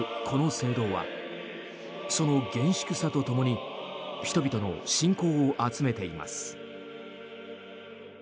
この聖堂はその厳粛さとともに人々の信仰を集めています。